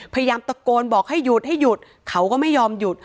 พยายามตะโกนบอกให้หยุดให้หยุดเขาก็ไม่ยอมหยุด